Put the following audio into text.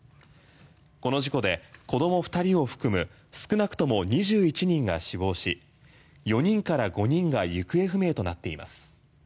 この事故で子供２人を含む少なくとも２１人が死亡し４人から５人が行方不明となっています。